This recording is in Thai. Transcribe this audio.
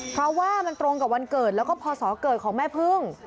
เพราะว่ามันตรงกับวันเกิดแล้วก็พศเกิดของแม่พึ่ง